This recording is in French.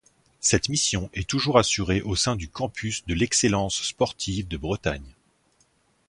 Cette mission est toujours assurée au sein du Campus de l'excellence sportive de Bretagne.